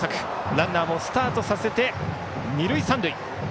ランナーもスタートさせて二塁三塁。